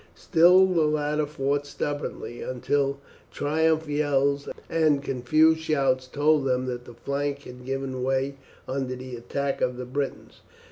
Still the latter fought stubbornly, until triumphant yells and confused shouts told them that the flank had given way under the attack of the Britons.